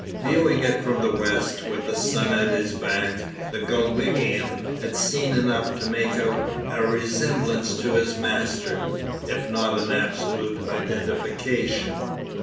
Viewing it from the west, with the sun at his back, the Galwegian had seen enough to make out a resemblance to his master if not an absolute identification.